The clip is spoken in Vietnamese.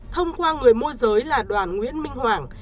thông qua người môi giới là đoàn nguyễn minh hoàng